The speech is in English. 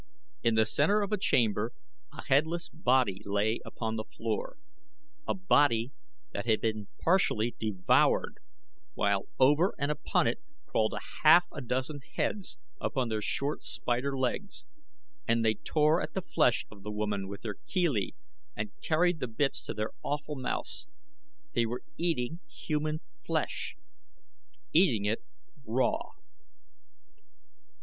In the center of the chamber a headless body lay upon the floor a body that had been partially devoured while over and upon it crawled a half a dozen heads upon their short, spider legs, and they tore at the flesh of the woman with their chelae and carried the bits to their awful mouths. They were eating human flesh eating it raw!